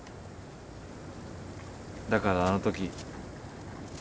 だからあのとき。